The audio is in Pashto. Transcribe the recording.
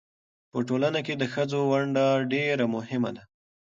په ټولنه کې د ښځو ونډه ډېره مهمه ده.